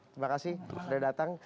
terima kasih sudah datang